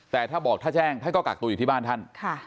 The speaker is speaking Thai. แต่ถ้าบอกถ้าแจ้งท่านก็กักตัวอยู่ที่บ้านท่าน